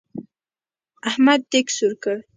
احمد دېګ سور کړ.